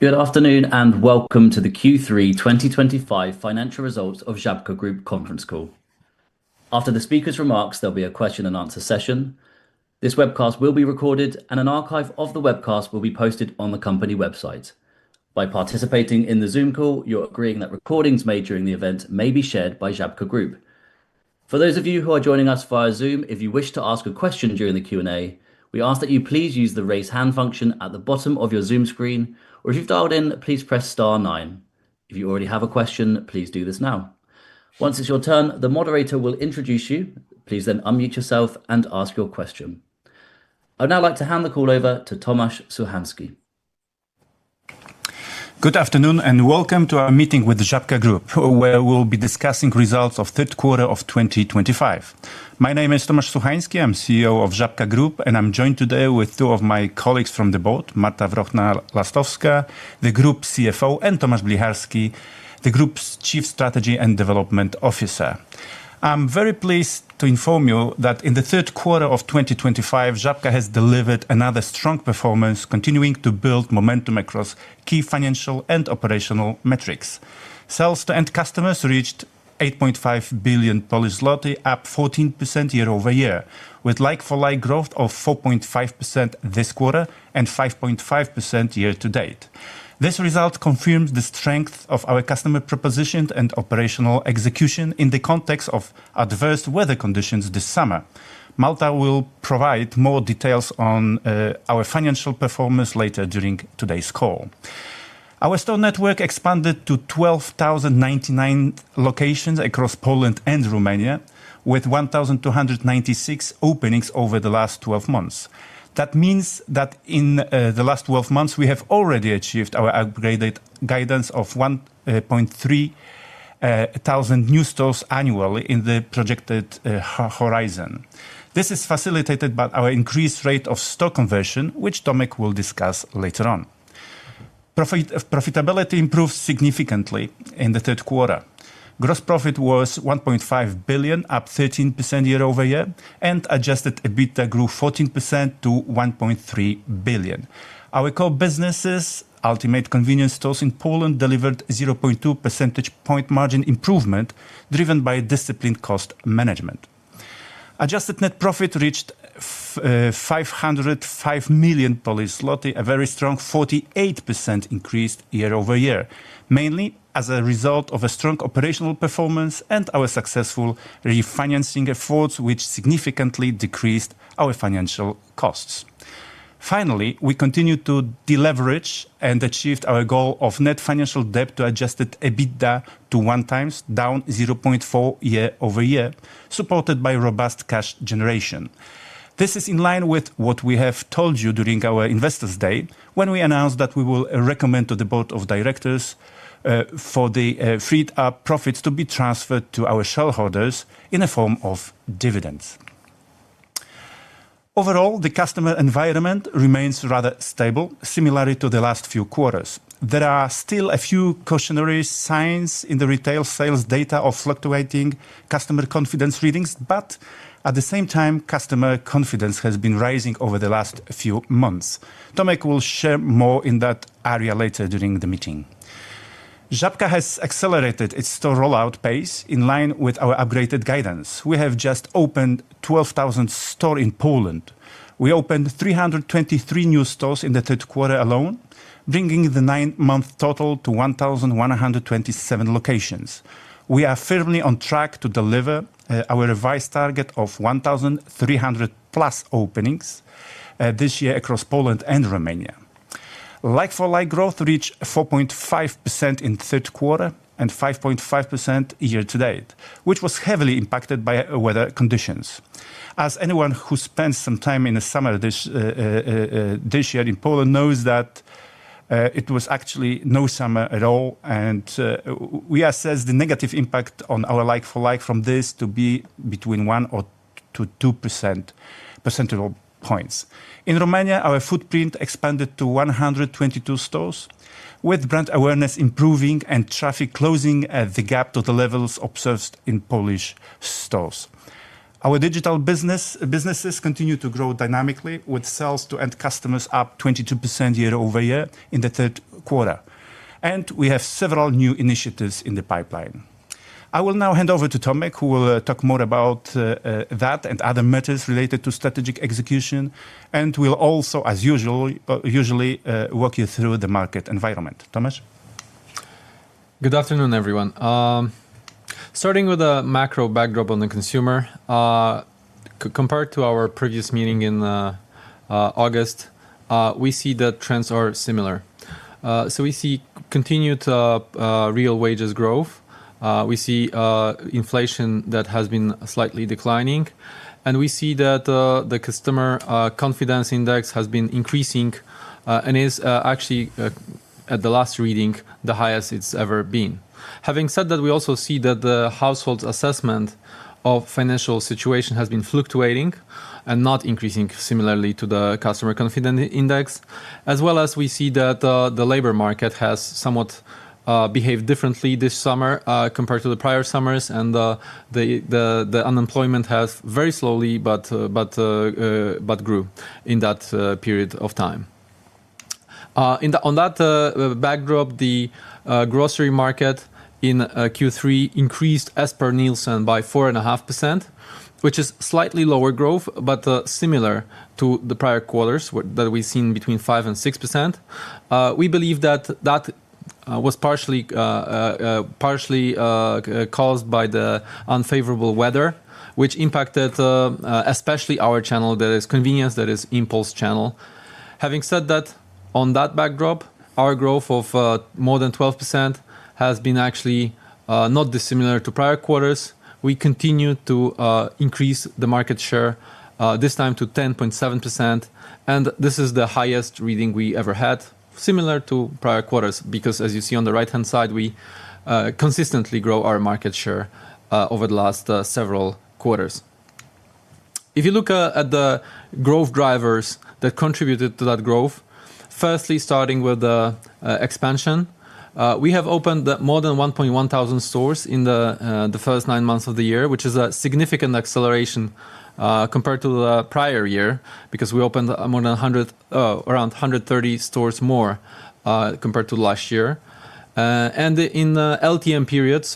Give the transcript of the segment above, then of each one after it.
Good afternoon and welcome to the Q3 2025 financial results of Żabka Group conference call. After the speaker's remarks, there will be a question-and-answer session. This webcast will be recorded, and an archive of the webcast will be posted on the company website. By participating in the Zoom call, you're agreeing that recordings made during the event may be shared by Żabka Group. For those of you who are joining us via Zoom, if you wish to ask a question during the Q&A, please use the raise hand function at the bottom of your Zoom screen, or if you've dialed in, please press star nine. If you already have a question, please do this now. Once it's your turn, the moderator will introduce you. Please then unmute yourself and ask your question. I'd now like to hand the call over to Tomasz Suchański. Good afternoon and welcome to our meeting with the Żabka Group where we'll be discussing results of the third quarter of 2025. My name is Tomasz Suchański, I'm CEO of Żabka Group and I'm joined today with two of my colleagues, Marta Wrochna-Łastowska, the Group CFO, and Tomasz Blicharski, the Group's Chief Strategy and Development Officer. I'm very pleased to inform you that in the third quarter of 2025 Żabka has delivered another strong performance, continuing to build momentum across key financial and operational metrics. Sales to end customers reached 8.5 billion Polish zloty, up 14% year-over-year with like-for-like growth of 4.5% this quarter and 5.5% year to date. This result confirms the strength of our customer proposition and operational execution in the context of adverse weather conditions this summer. Marta will provide more details on our financial performance later. During today's call, our store network expanded to 12,099 locations across Poland and Romania with 1,296 openings over the last 12 months. That means that in the last 12 months we have already achieved our upgraded guidance of 1,300 new stores annually in the projected horizon. This is facilitated by our increased rate of stock conversion, which Tomek will discuss later on. Profitability improved significantly in the third quarter. Gross profit was 1.5 billion, up 13% year-over-year and adjusted EBITDA grew 14% to 1.3 billion. Our core businesses, Ultimate Convenience Stores in Poland, delivered 0.2 percentage point margin improvement driven by disciplined cost management. Adjusted net profit reached 505 million Polish zloty, a very strong 48% increase year-over-year, mainly as a result of a strong operational performance and our successful refinancing efforts which significantly decreased our financial costs. Finally, we continue to deleverage and achieved our goal of net financial debt to adjusted EBITDA to 1x, down 0.4x year-over-year, supported by robust cash generation. This is in line with what we have told you during our Investors Day when we announced that we will recommend to the Board of Directors for the freed up profits to be transferred to our shareholders in the form of dividends. Overall, the customer environment remains rather stable. Similarly to the last few quarters, there are still a few cautionary signs in the retail sales data of fluctuating customer confidence readings, but at the same time customer confidence has been rising over the last few months. Tomek will share more in that area later during the meeting. Żabka has accelerated its store rollout pace in line with our upgraded guidance. We have just opened 12,000 stores in Poland. We opened 323 new stores in the third quarter alone, bringing the nine month total to 1,127 locations. We are firmly on track to deliver our revised target of 1,300+ openings this year across Poland and Romania. Like-for-like growth reached 4.5% in the third quarter and 5.5% year-to-date, which was heavily impacted by weather conditions. As anyone who spent some time in the summer this year in Poland knows, it was actually no summer at all, and we assess the negative impact on our like-for-like from this to be between 1-2 percentage points. In Romania, our footprint expanded to 122 stores with brand awareness improving and traffic closing the gap to the levels observed in Polish stores. Our Digital businesses continue to grow dynamically with sales to end customers up 22% year-over-year in the third quarter, and we have several new initiatives in the pipeline. I will now hand over to Tomek, who will talk more about that and other matters related to strategic execution and will also, as usual, walk you through the market environment. Good afternoon everyone. Starting with a macro backdrop on the consumer compared to our previous meeting in August, we see that trends are similar. We see continued real wages growth, we see inflation that has been slightly declining, and we see that the customer confidence index has been increasing and is actually at the last reading the highest it's ever been. Having said that, we also see that the household's assessment of financial situation has been fluctuating and not increasing similarly to the customer confidence index. As well, we see that the labor market has somewhat behaved differently this summer compared to the prior summers and the unemployment has very slowly but grew in that period of time. On that backdrop, the grocery market in Q3 increased as per Nielsen by 4.5%, which is slightly lower growth, but similar to the prior quarters that we've seen between 5% and 6%. We believe that that was partially caused by the unfavorable weather which impacted especially our channel, that is convenience, that is impulse channel. Having said that, on that backdrop, our growth of more than 12% has been actually not dissimilar to prior quarters. We continue to increase the market share this time to 10.7% and this is the highest reading we ever had similar to prior quarters because as you see on the right hand side, we consistently grow our market share over the last several quarters. If you look at the growth drivers that contributed to that growth, firstly, starting with the expansion, we have opened more than 1.1 thousand stores in the first nine months of the year, which is a significant acceleration compared to the prior year because we opened more than around 130 stores more compared to last year. In the LTM period,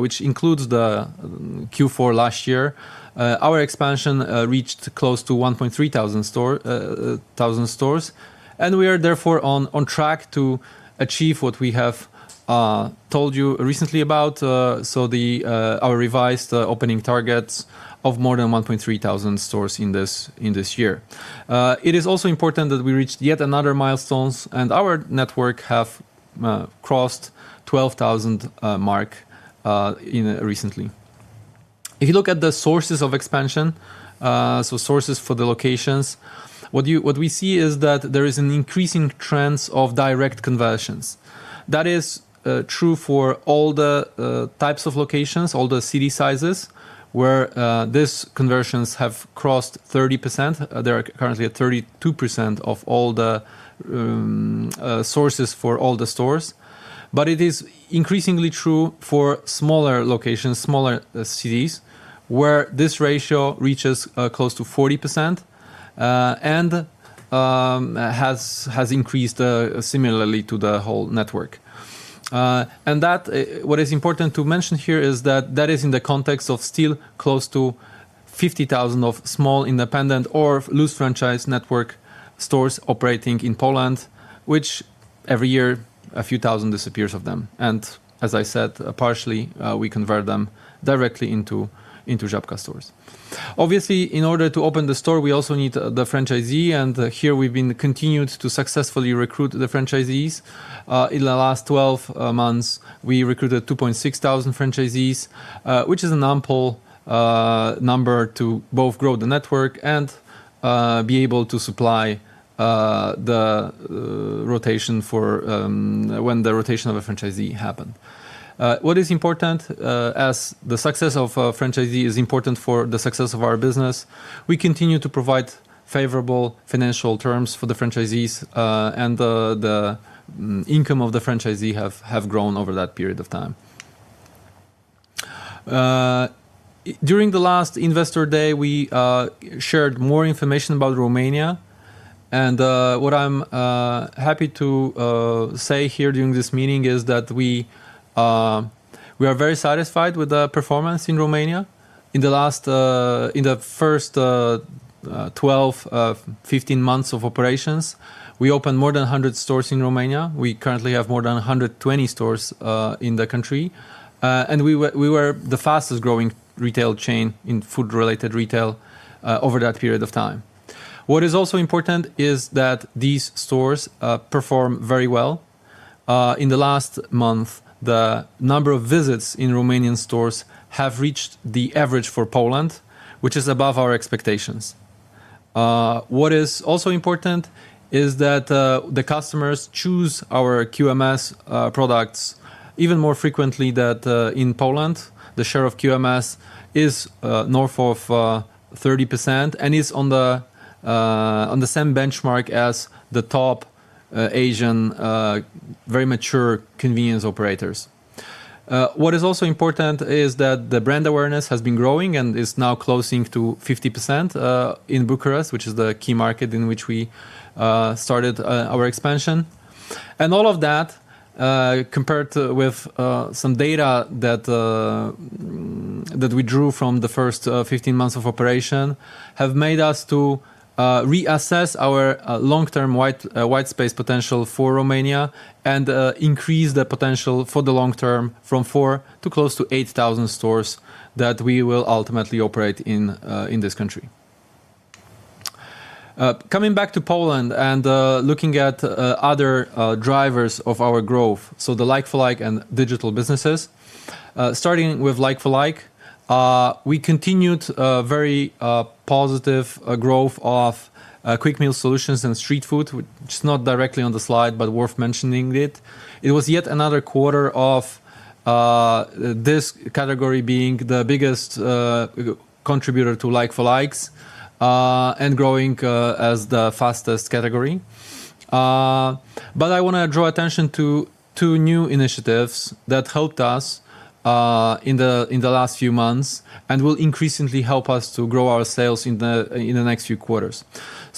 which includes Q4 last year, our expansion reached close to 1,300 stores. We are therefore on track to achieve what we have told you recently about. Our revised opening targets of more than 1,300 stores in this year. It is also important that we reached yet another milestone and our network has crossed the 12,000 mark recently. If you look at the sources of expansion, so sources for the locations, what we see is that there is an increasing trend of direct conversions. That is true for all the types of locations, all the city sizes where these conversions have crossed 30%. There are currently 32% of all the sources for all the stores. It is increasingly true for smaller locations, smaller cities where this ratio reaches close to 40% and has increased similarly to the whole network. What is important to mention here is that is in the context of still close to 50,000 small independent or loose franchise network stores operating in Poland, of which every year a few thousand disappear. As I said, partially we convert them directly into Żabka stores. Obviously, in order to open the store, we also need the franchisee. Here we've continued to successfully recruit the franchisees. In the last 12 months we recruited 2,600 franchisees, which is an ample number to both grow the network and be able to supply the rotation for when the rotation of a franchisee happened. What is important is the success of a franchisee is important for the success of our business. We continue to provide favorable financial terms for the franchisees and the income of the franchisee has grown over that period of time. During the last investor day we shared more information about Romania and what I'm happy to say here during this meeting is that we are very satisfied with the performance in Romania. In the first 12, 15 months of operations we opened more than 100 stores in Romania. We currently have more than 120 stores in the country and we were the fastest growing retail chain in food-related retail over that period of time. What is also important is that these stores perform very well. In the last month the number of visits in Romanian stores has reached the average for Poland, which is above our expectations. What is also important is that the customers choose our QMS products even more frequently than in Poland. The share of QMS is north of 30% and is on the same benchmark as the top Asian very mature convenience operators. What is also important is that the brand awareness has been growing and is now closing to 50% in Bucharest, which is the key market in which we started our expansion. All of that compared with some data that we drew from the first 15 months of operation have made us reassess our long-term white space potential for Romania and increase the potential for the long term from 4,000 to close to 8,000 stores that we will ultimately operate in this country. Coming back to Poland and looking at other drivers of our growth, the like-for-like and digital businesses. Starting with like-for-like, we continued very positive growth of Quick Meal Solutions and street food, which is not directly on the slide but worth mentioning. It was yet another quarter of this category being the biggest contributor to like-for-likes and growing as the fastest category. I want to draw attention to two new initiatives that helped us in the last few months and will increasingly help us to grow our sales in the next few quarters.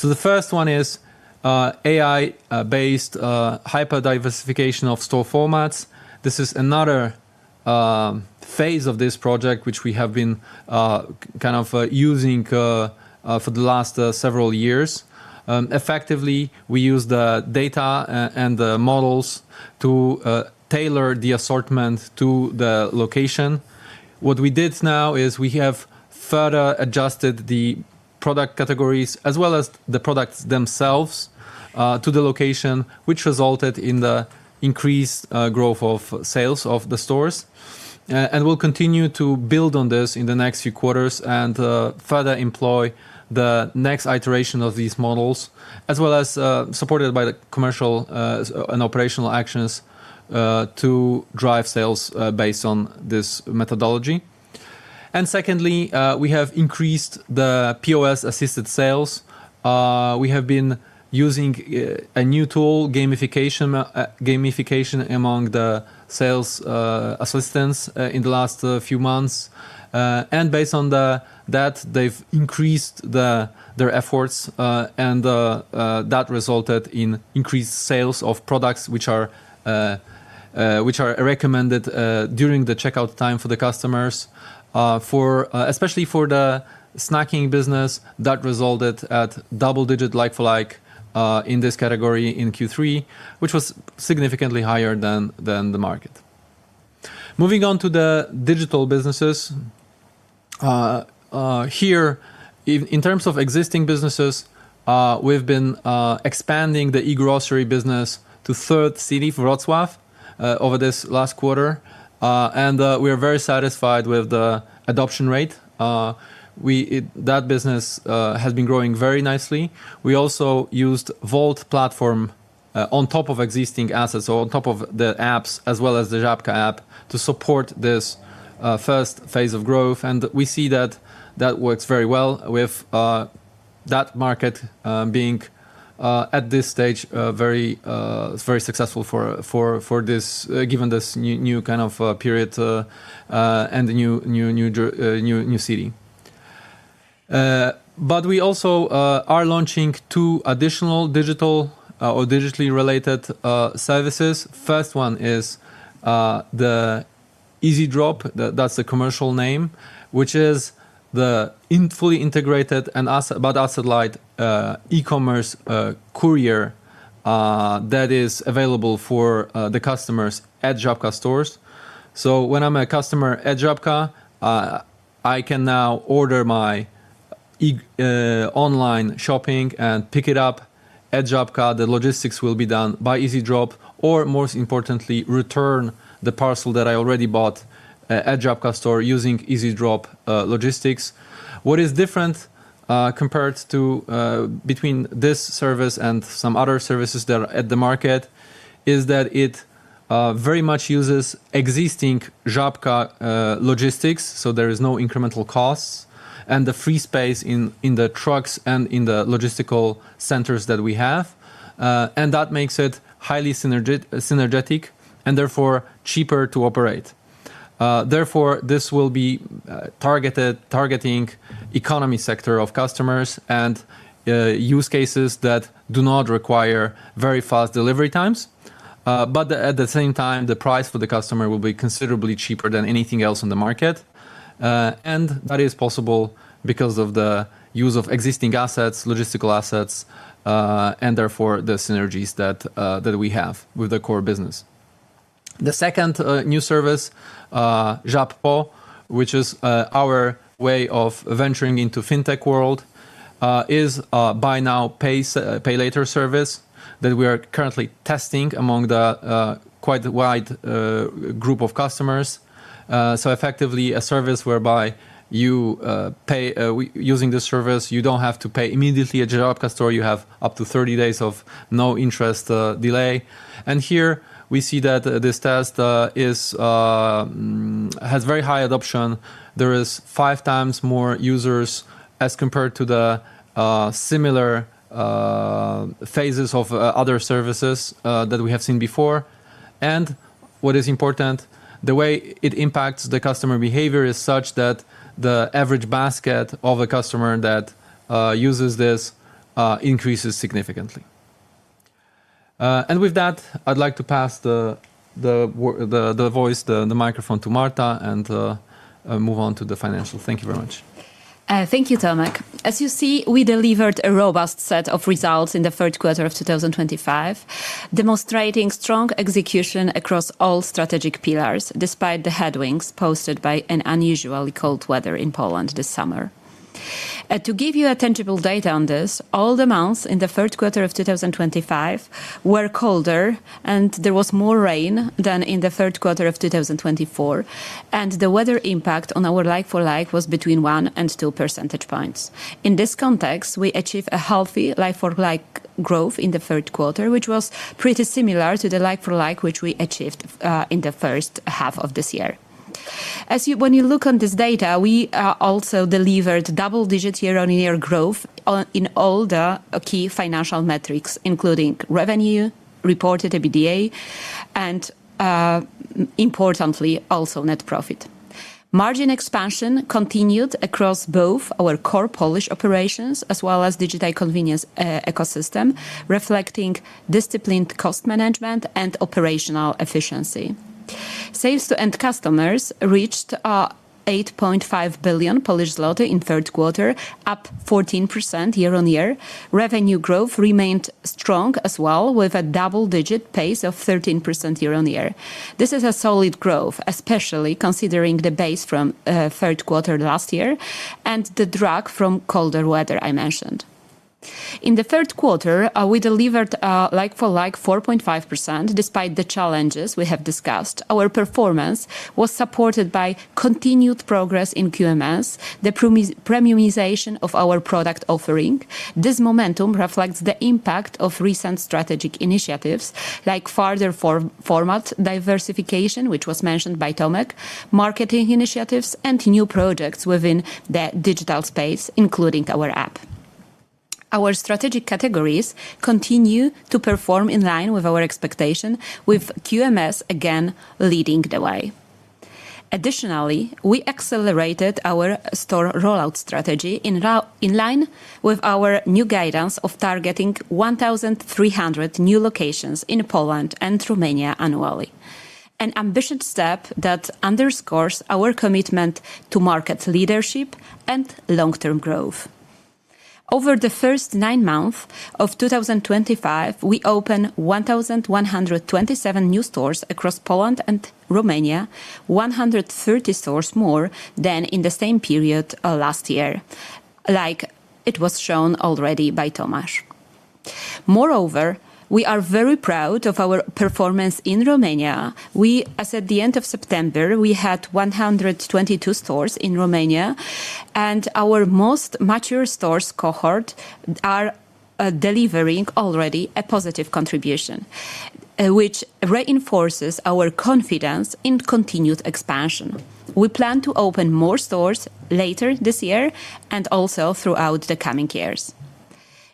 The first one is AI-based hyper-diversification of store formats. This is another phase of this project, which we have been using for the last several years. Effectively, we use the data and the models to tailor the assortment to the location. What we did now is we have further adjusted the product categories as well as the products themselves to the location, which resulted in the increased growth of sales of the stores. We will continue to build on this in the next few quarters and further employ the next iteration of these models, as well as support it by the commercial and operational actions to drive sales based on this methodology. Secondly, we have increased the POS-assisted sales. We have been using a new tool, gamification among the sales assistants in the last few months, and based on that they've increased their efforts and that resulted in increased sales of products which are recommended during the checkout time for the customers. Especially for the snacking business, that resulted in double-digit like-for-like in this category in Q3, which was significantly higher than the market. Moving on to the digital businesses, here in terms of existing businesses, we've been expanding the e-grocery business to third city for OSW over this last quarter and we are very satisfied with the adoption rate. That business has been growing very nicely. We also used Wolt platform on top of existing assets, on top of the apps as well as the Żappka app to support this first phase of growth and we see that works very well, with that market being at this stage very, very successful for this given this new kind of period and the new city. We also are launching two additional digital or digitally related services. First one is the EasyDrop, that's the commercial name, which is the fully integrated but asset-light e-commerce courier that is available for the customers at Żabka stores. When I'm a customer at Żabka, I can now order my online shopping and pick it up at Żabka. The logistics will be done by EasyDrop or, most importantly, return the parcel that I already bought at Żabka store using EasyDrop logistics. What is different compared between this service and some other services that are at the market is that it very much uses existing Żabka logistics, so there is no incremental costs and the free space in the trucks and in the logistical centers that we have, and that makes it highly synergetic and therefore cheaper to operate. Therefore, this will be targeting economy sector of customers and use cases that do not require very fast delivery times. At the same time, the price for the customer will be considerably cheaper than anything else on the market. That is possible because of the use of existing assets, logistical assets, and therefore the synergies that we have with the core business. The second new service, Żappo, which is our way of venturing into FinTech world, is buy-now, pay-later service that we are currently testing among the quite wide group of customers. Effectively, a service whereby you pay using the service, you don't have to pay immediately at Żabka store or you have up to 30 days of no interest delay. Here we see that this test has very high adoption. There is 5x more users as compared to the similar phases of other services that we have seen before. What is important, the way it impacts the customer behavior is such that the average basket of a customer that uses this increases significantly. With that, I'd like to pass the microphone to Marta and move on to the financial. Thank you very much. Thank you, Tomek. As you see, we delivered a robust set of results in the third quarter of 2025, demonstrating strong execution across all strategic pillars despite the headwinds posted by an unusually cold weather in Poland this summer. To give you tangible data on this, all the months in the first quarter of 2025 were colder and there was more rain than in the third quarter of 2024, and the weather impact on our like-for-like was between 1% and 2%. In this context, we achieved a healthy like-for-like growth in the third quarter, which was pretty similar to the like-for-like which we achieved in the first half of this year. As you look on this data, we also delivered double-digit year-on-year growth in all the key financial metrics including revenue, reported EBITDA, and importantly also net profit margin. Expansion continued across both our core Polish operations as well as digital convenience ecosystem, reflecting disciplined cost management and operational efficiency. Sales to end customers reached 8.5 billion Polish zloty in the third quarter, up 14% year-on-year. Revenue growth remained strong as well, with a double-digit pace of 13% year-on-year. This is a solid growth especially considering the base from third quarter last year and the drag from colder weather I mentioned. In the third quarter, we delivered like-for-like 4.5%. Despite the challenges we have discussed, our performance was supported by continued progress in Quick Meal Solutions, the premiumization of our product offering. This momentum reflects the impact of recent strategic initiatives like further format diversification, which was mentioned by Tomek, marketing initiatives, and new projects within the digital space including our app. Our strategic categories continue to perform in line with our expectation, with QMS again leading the way. Additionally, we accelerated our store rollout strategy in line with our new guidance of targeting 1,300 new locations in Poland and Romania annually, an ambitious step that underscores our commitment to market leadership and long-term growth. Over the first nine months of 2025, we opened 1,127 new stores across Poland and Romania, 130 stores more than in the same period last year, like it was shown already by Tomasz. Moreover, we are very proud of our performance in Romania as at the end of September we had 122 stores in Romania and our most mature stores cohort are delivering already a positive contribution, which reinforces our confidence in continued expansion. We plan to open more stores later this year and also throughout the coming years.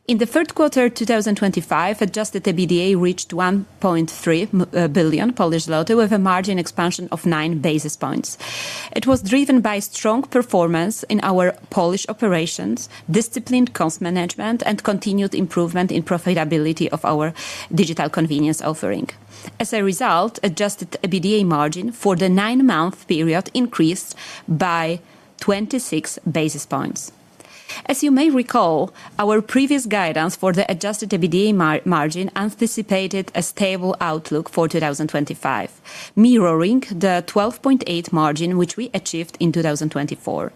In the third quarter 2025, adjusted EBITDA reached 1.3 billion Polish zloty with a margin expansion of 9 basis points. It was driven by strong performance in our Polish operations, disciplined cost management, and continued improvement in profitability of our digital convenience offering. As a result, adjusted EBITDA margin for the nine-month period increased by 26 basis points. As you may recall, our previous guidance for the adjusted EBITDA margin anticipated a stable outlook for 2025 mirroring the 12.8% margin which we achieved in 2024.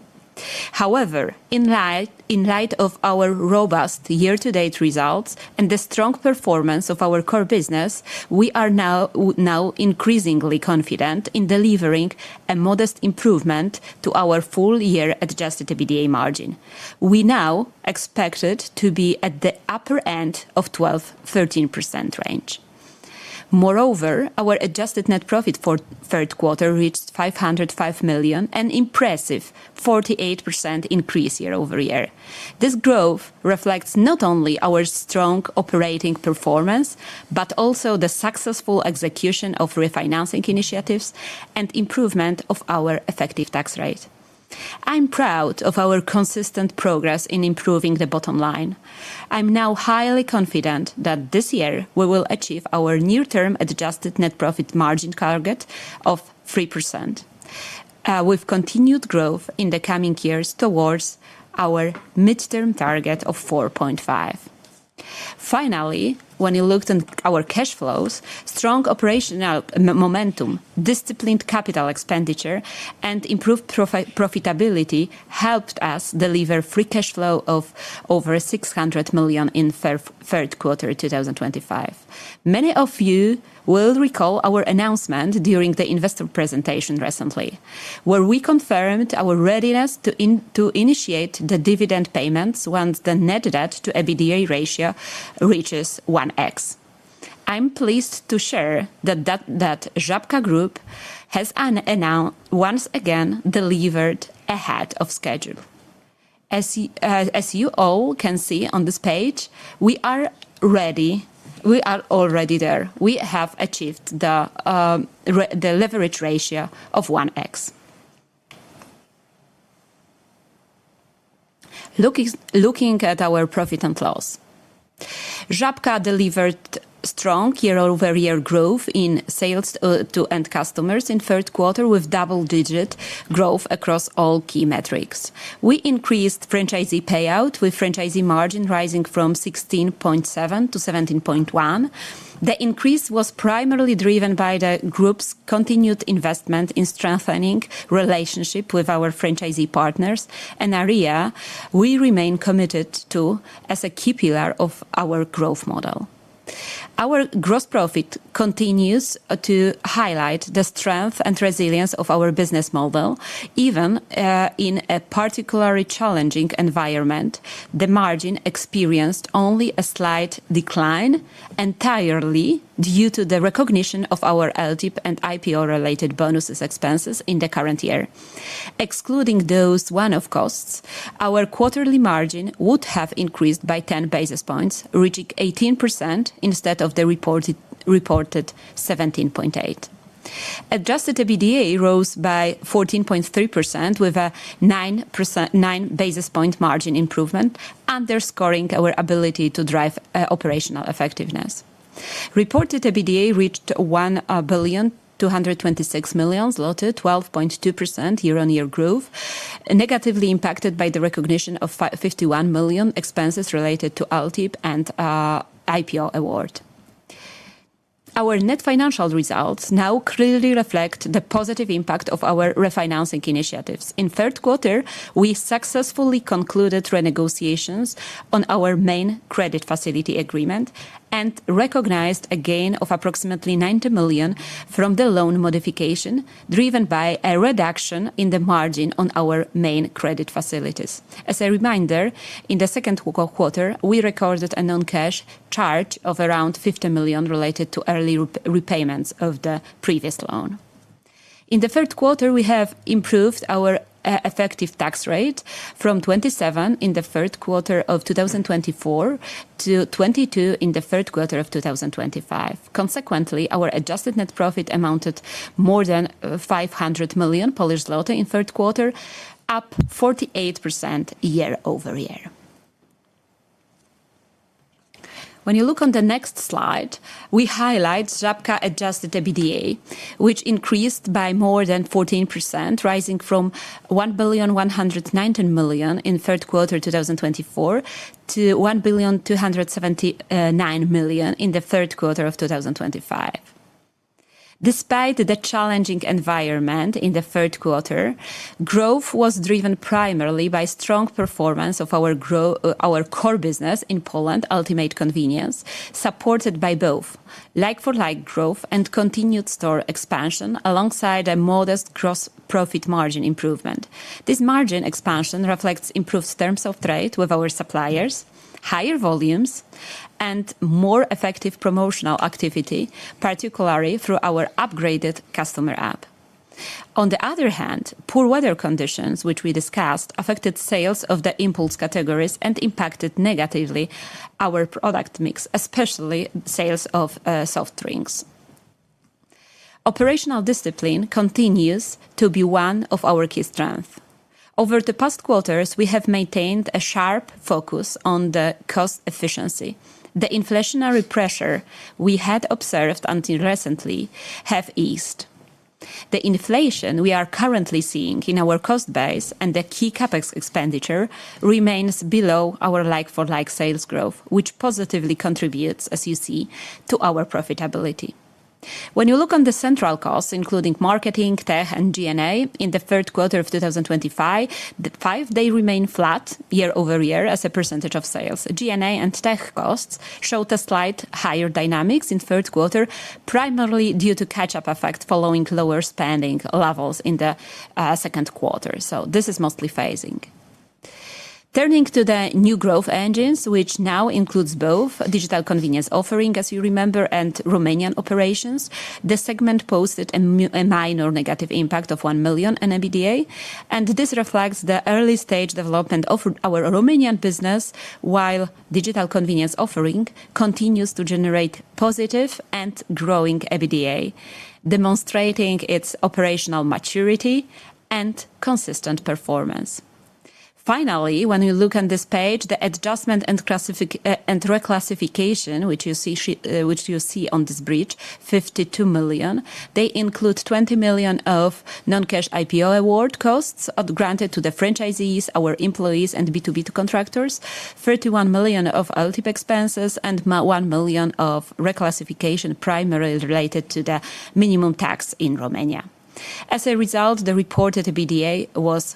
However, in light of our robust year-to-date results and the strong performance of our core business, we are now increasingly confident in delivering a modest improvement to our full-year adjusted EBITDA margin. We now expect it to be at the upper end of the 12%, 13% range. Moreover, our adjusted net profit for third quarter reached 505 million, an impressive 48% increase year-over-year. This growth reflects not only our strong operating performance but also the successful execution of refinancing initiatives and improvement of our effective tax rate. I'm proud of our consistent progress in improving the bottom line. I'm now highly confident that this year we will achieve our near-term adjusted net profit margin target of 3% with continued growth in the coming years towards our mid-term target of 4.5%. Finally, when you look at our cash flows, strong operational momentum, disciplined capital expenditure, and improved profitability helped us deliver free cash flow of over 600 million in third quarter 2025. Many of you will recall our announcement during the investor presentation recently where we confirmed our readiness to initiate the dividend payments once the net financial debt to adjusted EBITDA ratio reaches 1x. I'm pleased to share that Żabka Group has once again delivered ahead of schedule. As you all can see on this page, we are already there. We have achieved the leverage ratio of 1x. Looking at our profit and loss, Żabka delivered strong year-over-year growth in sales to end customers in third quarter with double-digit growth across all key metrics. We increased franchisee payout with franchisee margin rising from 16.7%-7.1%. The increase was primarily driven by the group's continued investment in strengthening relationship with our franchisee partners and area. We remain committed to a key pillar of our growth model. Our gross profit continues to highlight the strength and resilience of our business model even in a particularly challenging environment, the margin experienced only a slight decline entirely due to the recognition of our LTIP and IPO-related bonuses expenses in the current year. Excluding those one-off costs, our quarterly margin would have increased by 10 basis points, reaching 18% instead of the reported 17.8%. Adjusted EBITDA rose by 14.3% with a 9 basis point margin improvement, underscoring our ability to drive operational effectiveness. Reported EBITDA reached PLN 1,226,000,000, a 12.2% year-on-year growth, negatively impacted by the recognition of 51 million expenses related to LTIP and IPO award. Our net financial results now clearly reflect the positive impact of our refinancing initiatives. In the third quarter, we successfully concluded renegotiations on our main credit facility agreement and recognized a gain of approximately 90 million from the loan modification driven by a reduction in the margin on our main credit facilities. As a reminder, in the second quarter we recorded a non-cash charge of around 50 million related to early repayments of the previous loan. In the third quarter, we have improved our effective tax rate from 27% in the third quarter of 2024 to 22% in the third quarter of 2025. Consequently, our adjusted net profit amounted by more than 500 million Polish zloty. Polish Lotto in third quarter up 48% year-over-year. When you look on the next slide, we highlight Żabka adjusted EBITDA which increased by more than 14%, rising from 1,119,000,000 in third quarter 2024 to 1,279,000,000 in the third quarter of 2024. Despite the challenging environment in the third quarter, growth was driven primarily by strong performance of our core business in Poland ultimate convenience supported by both like-for-like growth and continued store expansion alongside a modest gross profit margin improvement. This margin expansion reflects improved terms of trade with our suppliers, higher volumes, and more effective promotional activity, particularly through our upgraded customer app. On the other hand, poor weather conditions which we discussed affected sales of the impulse categories and impacted negatively our product mix, especially sales of soft drinks. Operational discipline continues to be one of our key strengths. Over the past quarters, we have maintained a sharp focus on cost efficiency. The inflationary pressure we had observed until recently has eased. The inflation we are currently seeing in our cost base and the key CapEx expenditure remains below our like-for-like sales growth, which positively contributes, as you see, to our profitability. When you look on the central costs including marketing, tech, and GNA in the third quarter of 2025, they remain flat year-over-year as a percentage of sales. GNA and tech costs showed a slightly higher dynamics in the third quarter, primarily due to catch-up effect following lower spending levels in the second quarter. This is mostly phasing. Turning to the new growth engines, which now includes both digital convenience offering, as you remember, and Romanian operations, the segment posted a minor negative impact of 1 million in EBITDA, and this reflects the early stage development of our Romanian business. While digital convenience offering continues to generate positive and growing EBITDA, demonstrating its operational maturity and consistent performance. Finally, when you look on this page, the adjustment and classification and reclassification which you see on this bridge, 52 million. They include 20 million of non-cash IPO award costs granted to the franchisees, our employees, and B2B contractors, 31 million of LTIP expenses, and 1 million of reclassification primarily related to the minimum tax in Romania. As a result, the reported EBITDA was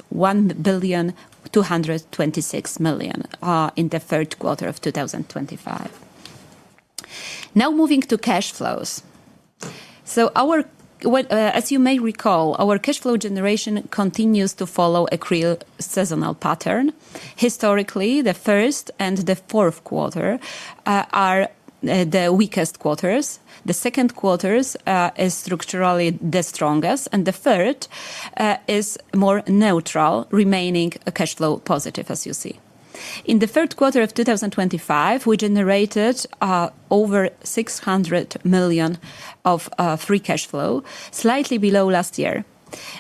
1,226,000,000 in the third quarter of 2025. Now moving to cash flows, as you may recall, our cash flow generation continues to follow a clear seasonal pattern. Historically, the first and the fourth quarter are the weakest quarters, the second quarter is structurally the strongest, and the third is more neutral, remaining cash flow positive. As you see, in the third quarter of 2025, we generated over 600 million of free cash flow, slightly below last year.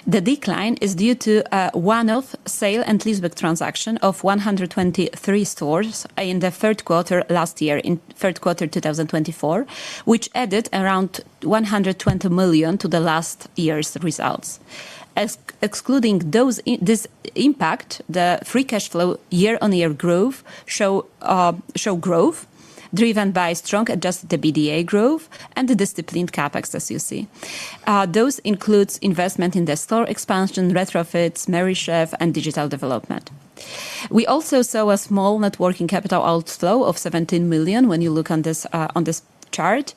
The decline is due to a one-off sale and leaseback transaction of 123 stores in the third quarter last year, in third quarter 2024, which added around 120 million to the last year's results. Excluding this impact, the free cash flow year-on-year growth shows growth driven by strong adjusted EBITDA growth and the disciplined CapEx. As you see, those include investment in the store expansion, retrofits, Mary Chef, and digital development. We also saw a small net working capital outflow of 17 million. When you look on this chart,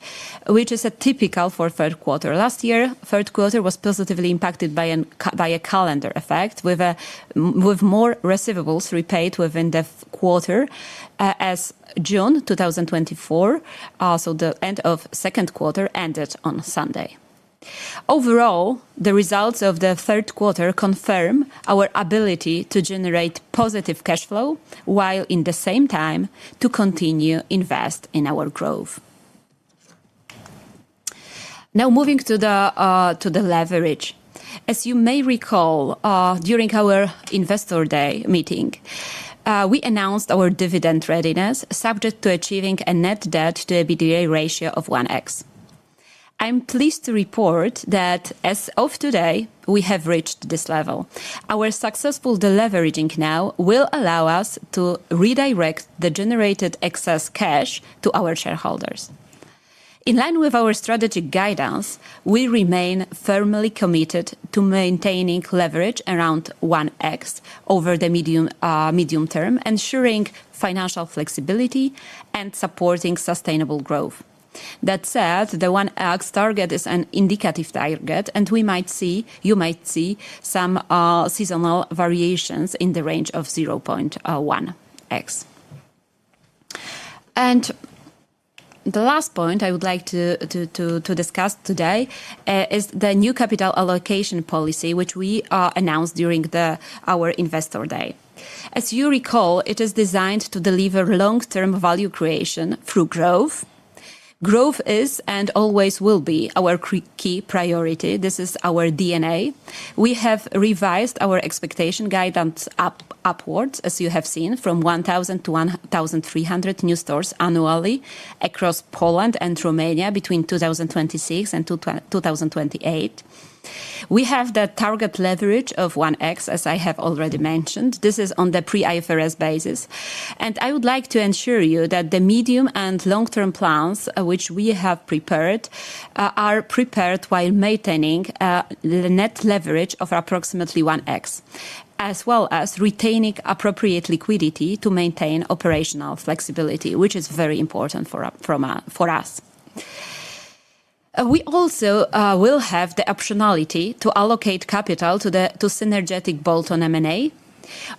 which is typical for third quarter, last year third quarter was positively impacted by a calendar effect with more receivables repaid within the quarter as June 2024. The end of second quarter ended on Sunday. Overall, the results of the third quarter confirm our ability to generate positive cash flow while at the same time to continue to invest in our growth. Now moving to the leverage. As you may recall, during our investor day meeting, we announced our dividend readiness subject to achieving a net financial debt to adjusted EBITDA ratio of 1x. I'm pleased to report that as of today, we have reached this level. Our successful deleveraging now will allow us to redirect the generated excess cash to our shareholders. In line with our strategic guidance, we remain firmly committed to maintaining leverage around 1x over the medium term, ensuring financial flexibility and supporting sustainable growth. That said, the 1x target is an indicative target and you might see some seasonal variations in the range of 0.1x. The last point I would like to discuss today is the new capital allocation policy, which we announced during our investor day. As you recall, it is designed to deliver long-term value creation through growth. Growth is and always will be our key priority. This is our DNA. We have revised our expectation guidance upwards. As you have seen, from 1,000-1,300 new stores annually across Poland and Romania between 2026 and 2028, we have the target leverage of 1x. As I have already mentioned, this is on the pre-IFRS basis, and I would like to ensure you that the medium and long-term plans which we have prepared are prepared while maintaining the net leverage of approximately 1x as well as retaining appropriate liquidity to maintain operational flexibility, which is very important for us. We also will have the optionality to allocate capital to synergetic bolt-on M&A.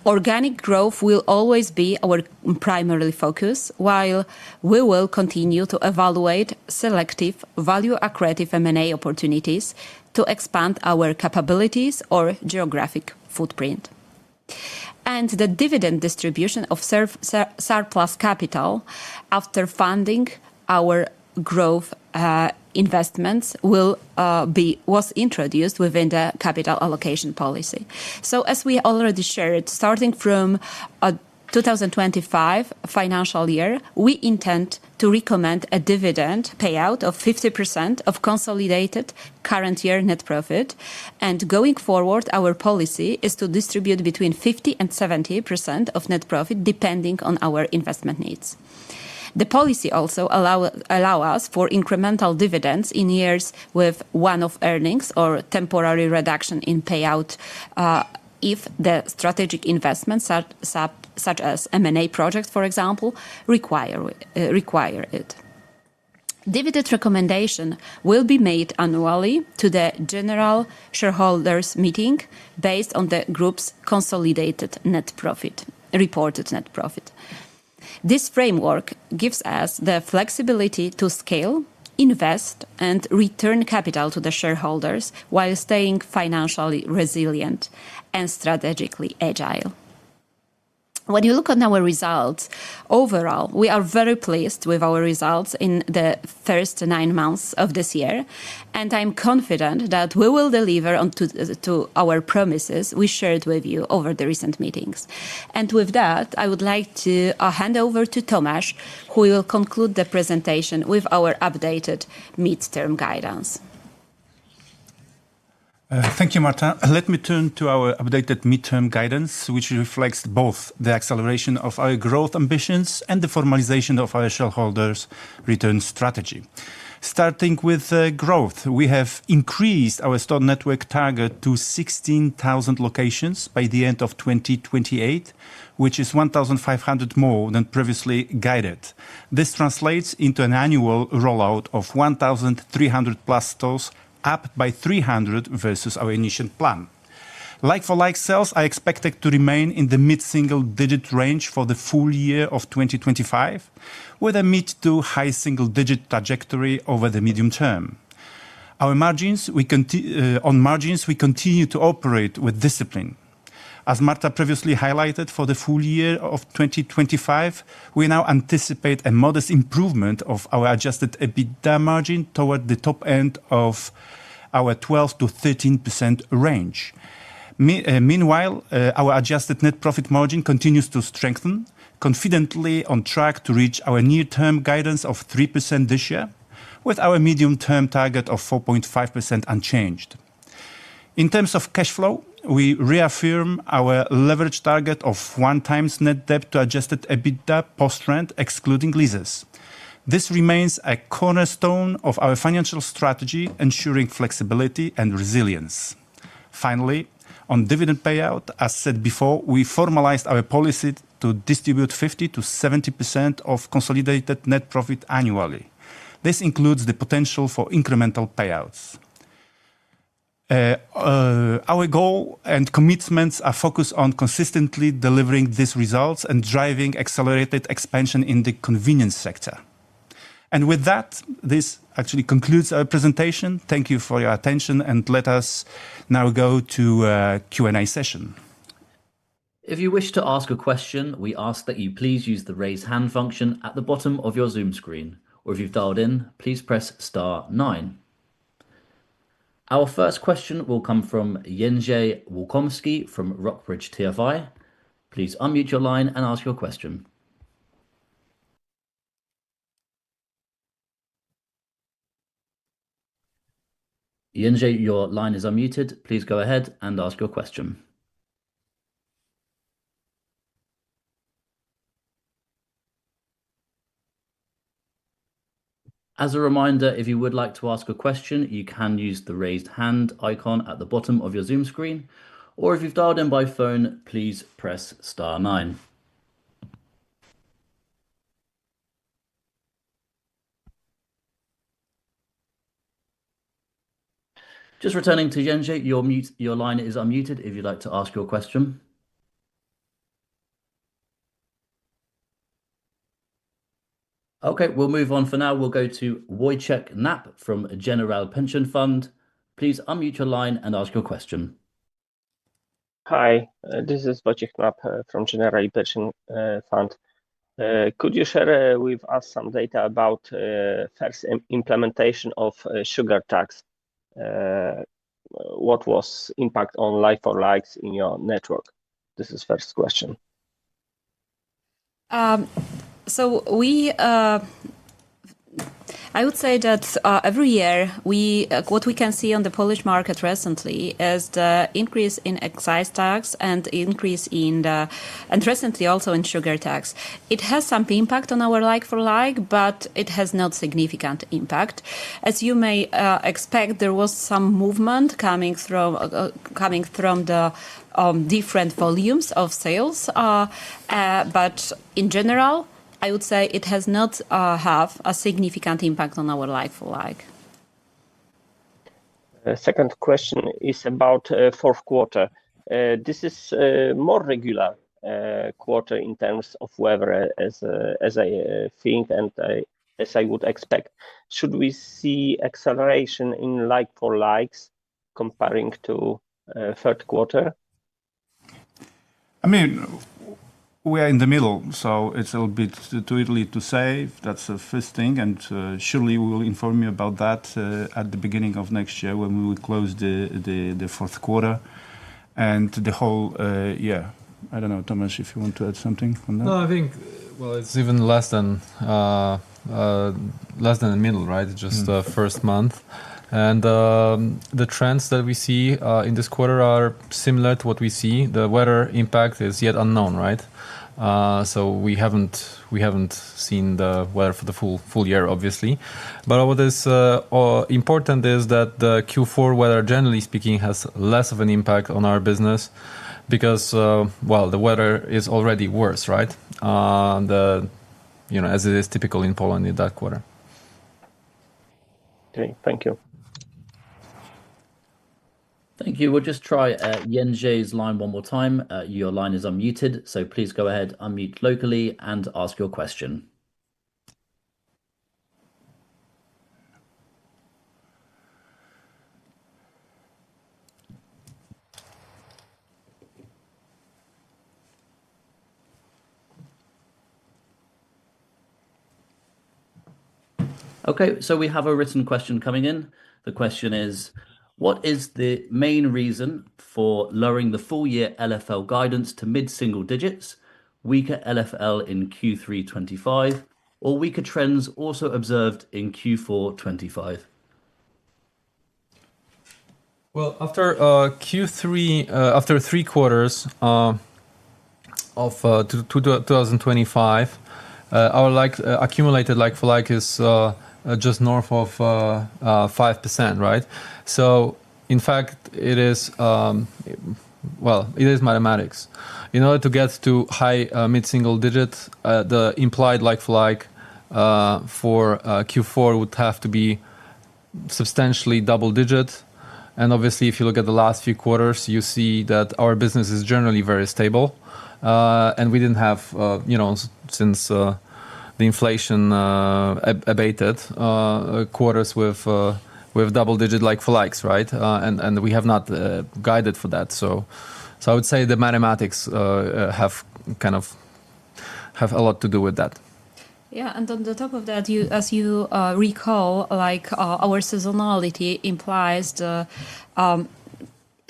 Organic growth will always be our primary focus while we will continue to evaluate selective value accretive M&A opportunities to expand our capabilities or geographic footprint, and the dividend distribution of surplus capital after funding our growth investments was introduced within the capital allocation policy. As we already shared, starting from the 2025 financial year, we intend to recommend a dividend payout of 50% of consolidated current year net profit. Going forward, our policy is to distribute between 50% and 70% of net profit depending on our investment needs. The policy also allows us for incremental dividends in years with one-off earnings or temporary reduction in payout if the strategic investments, such as an M&A project for example, require it. Dividend recommendation will be made annually to the general shareholders meeting based on the group's consolidated net profit reported net profit. This framework gives us the flexibility to scale, invest, and return capital to the shareholders while staying financially resilient and strategically agile. When you look at our results overall, we are very pleased with our results in the first nine months of this year, and I'm confident that we will deliver on to our promises we shared with you over the recent meetings. With that, I would like to hand over to Tomasz who will conclude the presentation with our updated midterm guidance. Thank you, Marta. Let me turn to our updated mid-term guidance, which reflects both the acceleration of our growth ambitions and the formalization of our shareholders return strategy. Starting with growth, we have increased our store network target to 16,000 locations by the end of 2028, which is 1,500 more than previously guided. This translates into an annual rollout of 1,300 plus stores, up by 300 versus our initial plan. Like-for-like sales are expected to remain in the mid-single-digit range for the full year of 2025, with a mid to high single-digit trajectory over the medium term. On margins, we continue to operate with discipline as Marta previously highlighted. For the full year of 2025, we now anticipate a modest improvement of our adjusted EBITDA margin toward the top end of our 12%-13% range. Meanwhile, our adjusted net profit margin continues to strengthen, confidently on track to reach our near-term guidance of 3% this year, with our medium-term target of 4.5% unchanged. In terms of cash flow, we reaffirm our leverage target of 1x net debt to adjusted EBITDA post rent, excluding leases. This remains a cornerstone of our financial strategy, ensuring flexibility and resilience. Finally, on dividend payout, as said before, we formalized our policy to distribute 50%-70% of consolidated net profit annually. This includes the potential for incremental payouts. Our goal and commitments are focused on consistently delivering these results and driving accelerated expansion in the convenience sector. This actually concludes our presentation. Thank you for your attention, and let us now go to Q&A session. If you wish to ask a question, we ask that you please use the raise hand function at the bottom of your Zoom screen. Or if you've dialed in, please press star nine. Our first question will come from J. Wilkomski from Rockbridge TFI. Please unmute your line and ask your question. Yunze, your line is unmuted. Please go ahead and ask your question. As a reminder, if you would like to ask a question, you can use the raise hand icon at the bottom of your Zoom screen. Or if you've dialed in by phone, please press star nine. Just returning to Jenjie, your mute. Your line is unmuted. If you'd like to ask your question. Okay, we'll move on for now, we'll go to [Wojciech Knap] from General Pension Fund. Please unmute your line and ask your question. Hi, this is [Bojec Knapp from General Pension Fund. Could you share with us some data about first implementation of Sugar Tax? What was impact on like-for-like growth in your network, this is first question. I would say that every year we, what we can see on the Polish market recently is the increase in excise tax and increase in, and recently also in sugar tax. It has some impact on our like-for-like, but it has not significant impact as you may expect. There was some movement coming from the different volumes of sales, but in general I would say it has not have a significant impact on our like-for-like. Second question is about fourth quarter. This is more regular quarter in terms of weather as I think and as I would expect. Should we see acceleration in like-for-like growth comparing to third quarter? I mean we are in the middle, so it's a little bit too early to say, that's the first thing. Surely, we'll inform you about that at the beginning of next year. We would close the fourth quarter and the whole year. I don't know, Tomasz, if you want to add something. No, I think it's even less than the middle. Right. Just the first month and the trends that we see in this quarter are similar to what we see. The weather impact is yet unknown. Right. We haven't seen the weather for the full year obviously. What is important is that the Q4 weather generally speaking has less of an impact on our business because the weather is already worse, as it is typical in Poland in that quarter. Okay, thank you. Thank you. We'll just try Yen's line one more time. Your line is unmuted, so please go ahead, unmute locally, and ask your question. Okay, we have a written question coming in. The question is: What is the main reason for lowering the full year like-for-like guidance to mid single digits? Weaker like-for-like in Q3 2025, or weaker trends also observed in Q4 2025? After Q3, after three quarters of 2025, our accumulated like-for-like is just north of 5%. It is mathematics. In order to get to high mid-single digit, the implied like-for-like for Q4 would have to be substantially double digit. If you look at the last few quarters, you see that our business is generally very stable and we didn't have, since the inflation abated, quarters with double-digit like-for-likes. We have not guided for that. I would say the mathematics have a lot to do with that. Yeah. On top of that, as you recall, our seasonality implies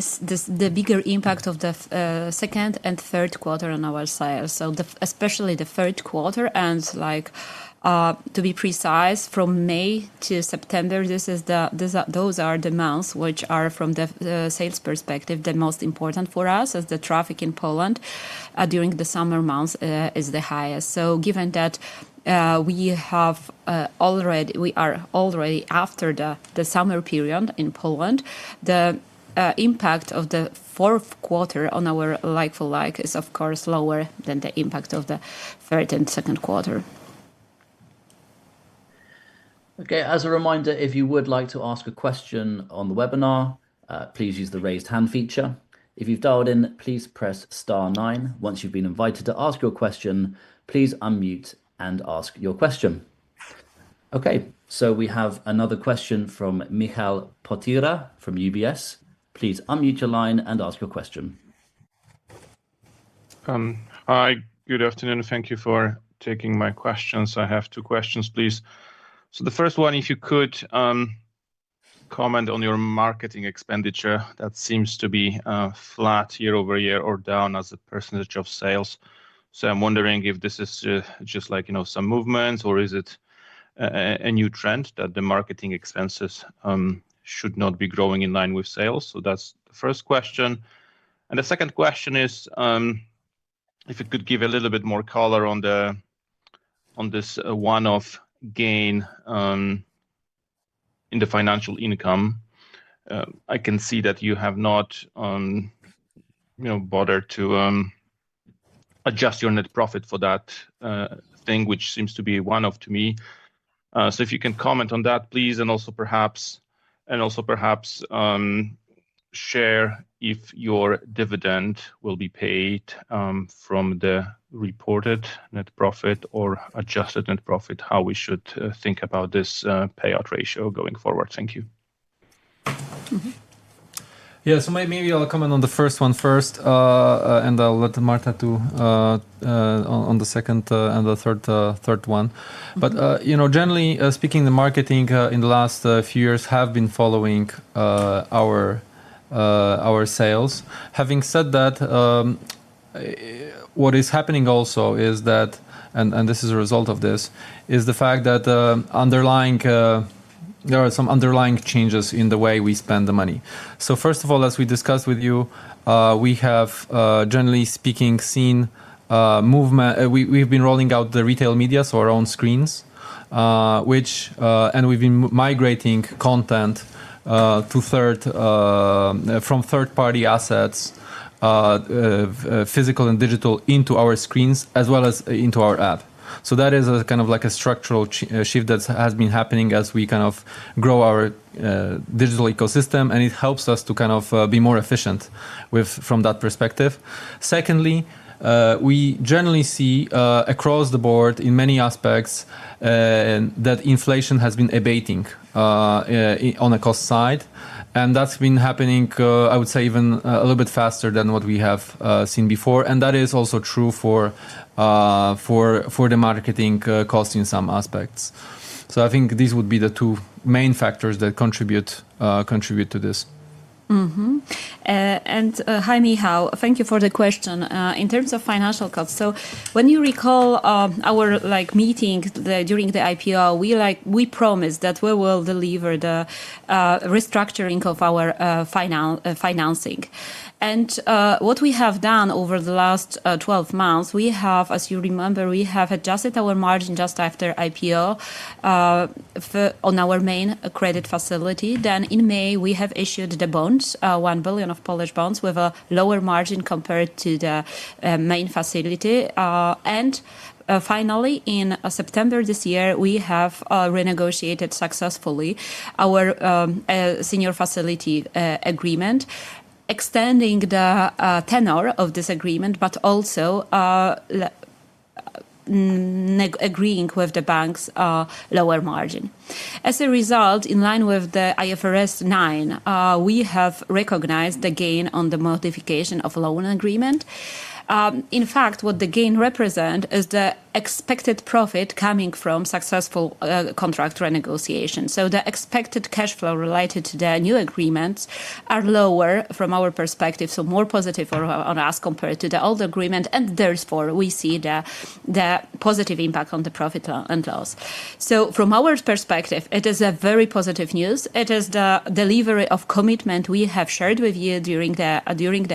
the bigger impact of the second and third quarter on our sales. Especially the third quarter, to be precise, from May to September. Those are the months which are, from the sales perspective, the most important for us as the traffic in Poland during the summer months is the highest. Given that we are already after the summer period in Poland, the impact of the fourth quarter on our like-for-like is, of course, lower than the impact of the third and second quarter. Okay. As a reminder, if you would like to ask a question on the webinar, please use the raised hand feature. If you've dialed in, please press Star nine. Once you've been invited to ask your question, please unmute and ask your question. Okay, we have another question from Michal Potyra from UBS. Please unmute your line and ask your question. Hi, good afternoon. Thank you for taking my questions. I have two questions please. The first one, if you could comment on your marketing expenditure that seems to be flat year-over-year or down as a percentage of sales. I'm wondering if this is just, you know, some movements or is it a new trend that the marketing expenses should not be growing in line with sales. That's the first question. The second question is if you could give a little bit more color on this one off gain in the financial income. I can see that you have not bothered to adjust your net profit for that thing, which seems to be one off to me. If you can comment on that, please and also perhaps share if your dividend will be paid from the reported net profit or adjusted net profit, how we should think about this payout ratio going forward. Thank you. Yeah, so maybe I'll comment on the first one first and I'll let Marta on the second and the third. You know, generally speaking, the marketing in the last few years have been following our sales. Having said that, what is happening also is that this is a result of the fact that there are some underlying changes in the way we spend the money. First of all, as we discussed with you, we have generally speaking seen movement. We've been rolling out the retail media, so our own screens, and we've been migrating content from third party assets, physical and digital, into our screens as well as into our app. That is a kind of structural shift that has been happening as we grow our digital ecosystem, and it helps us to be more efficient from that perspective. Secondly, we generally see across the board in many aspects that inflation has been abating on the cost side, and that's been happening I would say even a little bit faster than what we have seen before. That is also true for the marketing cost in some aspects. I think these would be the two main factors that contribute to this. Hi Michal, thank you for the question in terms of financial costs. When you recall our meeting during the IPO, we promised that we will deliver the restructuring of our financing and what we have done over the last 12 months, as you remember, we have adjusted our margin just after IPO on our main credit facility. In May, we issued the bonds, 1 billion of Polish bonds, with a lower margin compared to the main facility. Finally, in September this year, we renegotiated successfully our senior facility agreement, extending the tenor of this agreement but also agreeing with the banks on a lower margin. As a result, in line with IFRS 9, we have recognized the gain on the modification of loan agreement. In fact, what the gain represents is the expected profit coming from successful contract renegotiation. The expected cash flow related to the new agreements is lower from our perspective, so more positive on us compared to the old agreement. Therefore, we see the positive impact on the profit and loss. From our perspective, it is very positive news. It is the delivery of commitment we have shared with you during the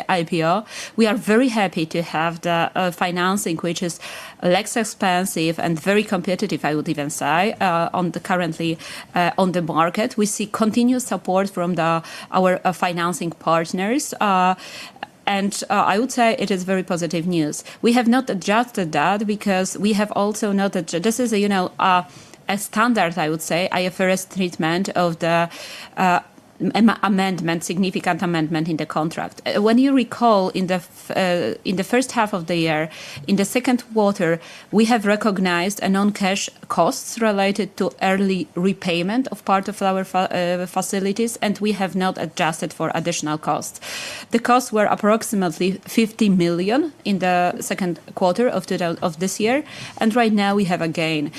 IPO. We are very happy to have the financing which is less expensive and very competitive. I would even say currently on the market we see continuous support from our financing partners and I would say it is very positive news. We have not adjusted that because we have also noted this is a standard, I would say, IFRS treatment of the significant amendment in the contract. When you recall, in the first half of the year, in the second quarter, we recognized a non-cash cost related to early repayment of part of our facilities and we have not adjusted for additional costs. The costs were approximately 50 million in the second quarter of this year. Right now we have a gain.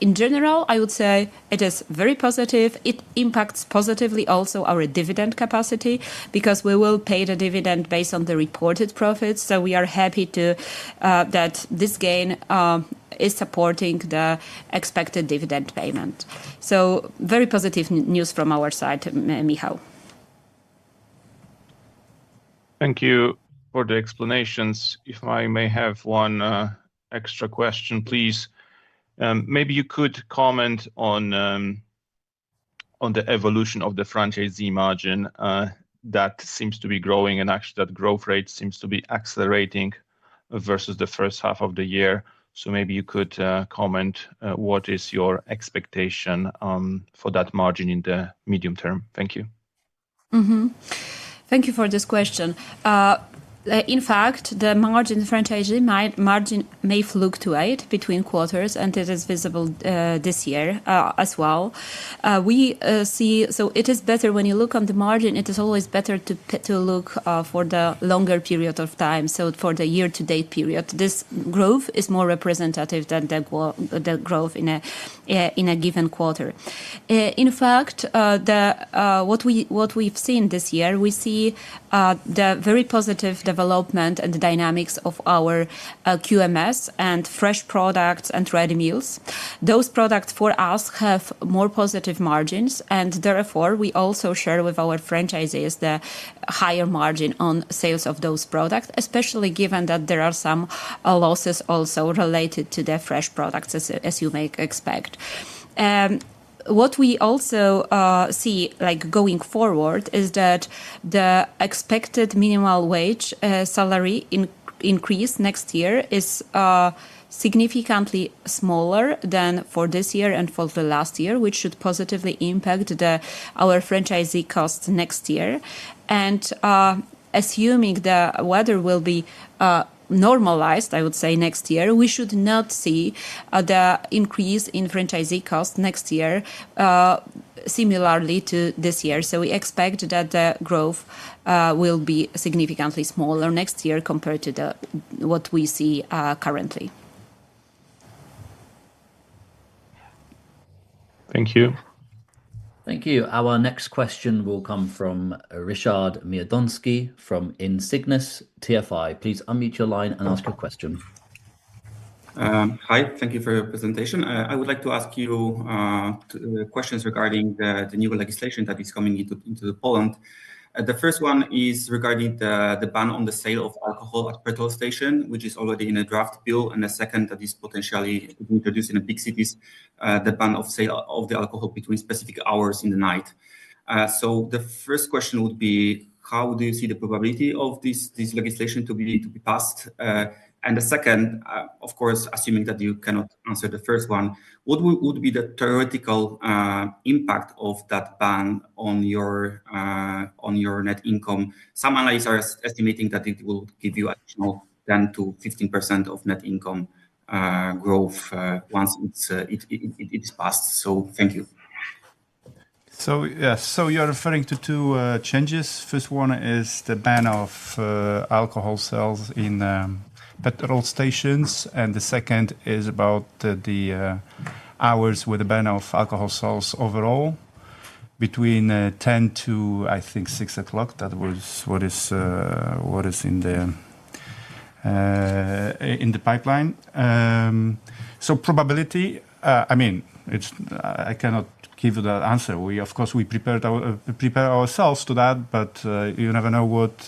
In general, I would say it is very positive. It impacts positively also our dividend capacity because we will pay the dividend based on the reported profits. We are happy that this gain is supporting the expected dividend payment. Very positive news from our side, Michal. Thank you for the explanations. If I may have one extra question, please maybe you could comment on the evolution of the franchisee margin that seems to be growing, and actually that growth rate seems to be accelerating versus the first half of the year. Maybe you could comment, what is your expectation for that margin in the medium term? Thank you. Thank you for this question. In fact, the margin, franchisee margin may fluctuate between quarters, and it is visible there this year as well. We see it is better when you look on the margin, it is always better to look for the longer period of time. For the year-to-date period, this growth is more representative than the growth in a given quarter. In fact, what we've seen this year, we see the very positive development and the dynamics of our QMS and fresh products and ready meals. Those products for us have more positive margins, and therefore we also share with our franchisees the higher margin on sales of those products, especially given that there are some losses also related to the fresh products, as you may expect. What we also see going forward is that the expected minimum wage salary increase next year is significantly smaller than for this year and for the last year, which should positively impact our franchisee costs next year. Assuming the weather will be normalized, I would say next year we should not see the increase in franchisee costs next year similarly to this year. We expect that the growth will be significantly smaller next year compared to what we see currently. Thank you. Thank you. Our next question will come from Ryszard Miodoński from Insignis TFI. Please unmute your line and ask a question. Hi, thank you for your presentation. I would like to ask you questions regarding the new legislation that is coming into Poland. The first one is regarding the ban on the sale of alcohol at petrol stations, which is already in a draft bill. The second is that, potentially introduced in big cities, the ban of sale of alcohol between specific hours in the night. The first question would be how do you see the probability of this legislation to be passed? The second, of course, assuming that you cannot answer the first one, what would be the theoretical impact of that ban on your net income? Some analysts are estimating that it will give you additional 10%-15% of net income growth once it is passed. So. Thank you. Yes, you're referring to two changes. The first one is the ban of alcohol sales in petrol stations. The second is about the hours with a ban of alcohol sales overall between 10:00 P.M. to, I think, 6:00 A.M. That is what is in the pipeline. Probability, I mean, I cannot give the answer. We, of course, prepare ourselves for that, but you never know what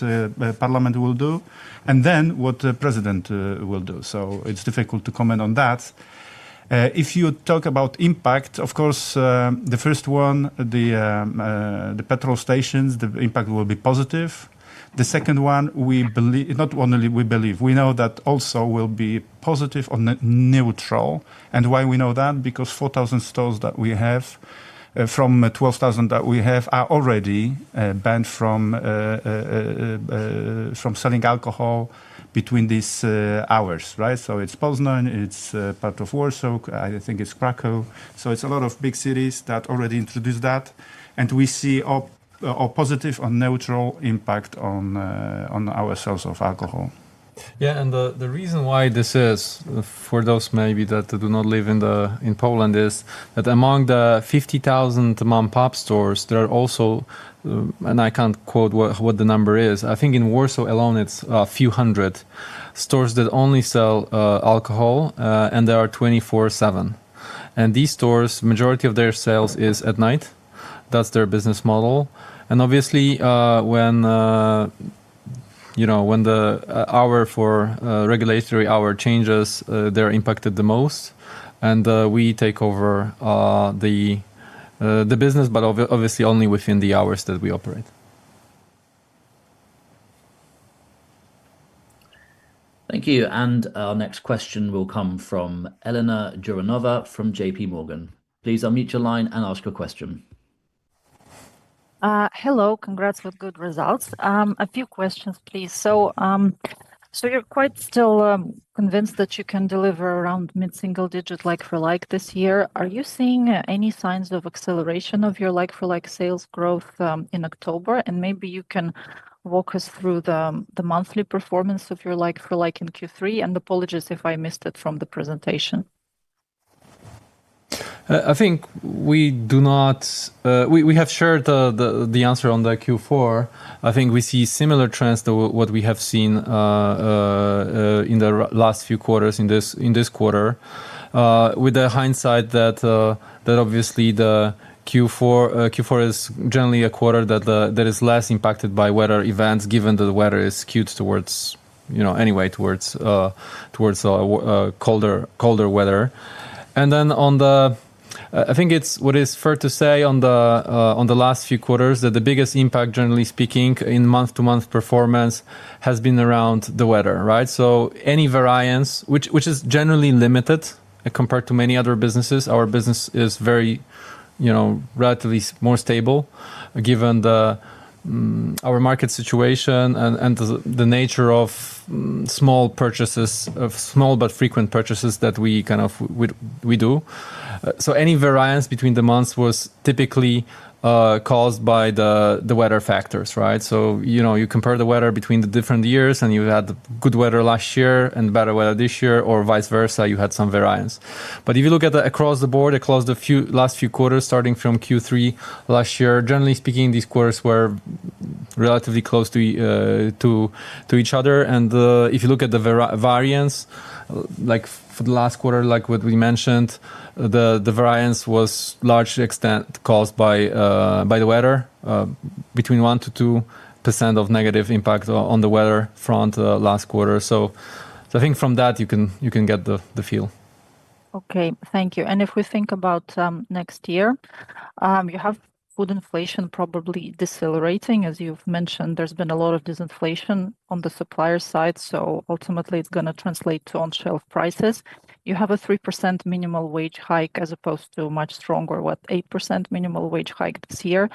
parliament will do and then what the president will do. It's difficult to comment on that. If you talk about impact, the first one, the petrol stations, the impact will be positive. The second one, we believe, not only we believe, we know that also will be positive or neutral. We know that because those 4,000 stores that we have from 12,000 that we have are already banned from selling alcohol between these hours. It's Poznan, it's part of Warsaw, I think it's Krakow. It's a lot of big cities that already introduced that, and we see a positive or neutral impact on our sales of alcohol. Yeah. The reason why this is for those maybe that do not live in Poland is that among the 50,000 mom-pop stores there are also, and I can't quote what the number is. I think in Warsaw alone it's a few hundred stores that only sell alcohol and they are 24/7. These stores, majority of their sales is at night. That's their business model. Obviously, when the hour for regulatory hour changes they're impacted the most and we take over the business, but obviously only within the hours that we operate. Thank you. Our next question will come from Elena Jouronova from JPMorgan. Please unmute your line and ask a question. Hello. Congrats with good results. A few questions please. You're quite still convinced that you can deliver around mid single digit like-for-like this year? Are you seeing any signs of acceleration of your like-for-like sales growth in October? Maybe you can walk us through the monthly performance of your like-for-like in Q3, and apologies if I missed it from the presentation. I think we have shared the answer on the Q4. I think we see similar trends to what we have seen in the last few quarters in this quarter with the hindsight that obviously Q4 is generally a quarter that is less impacted by weather events given that the weather is skewed towards colder weather. I think it's fair to say on the last few quarters that the biggest impact generally speaking in month-to-month performance has been around the weather. Any variance, which is generally limited compared to many other businesses, our business is relatively more stable given our market situation and the nature of small but frequent purchases that we do, so any variance between the months was typically caused by the weather factors. You compare the weather between the different years and you had good weather last year and better weather this year or vice versa, you had some variance. If you look across the board, across the last few quarters starting from Q3 last year, generally speaking these quarters were relatively close to each other. If you look at the variance for the last quarter, like what we mentioned, the variance was to a large extent caused by the weather, between 1%-2% of negative impact on the weather front last quarter. I think from that you can get the feel. Okay, thank you. If we think about next year, you have good inflation probably decelerating. As you've mentioned, there's been a lot of disinflation on the supplier side. Ultimately, it's going to translate to on-shelf prices. You have a 3% minimum wage hike as opposed to a much stronger, what, 8% minimum wage hike this year.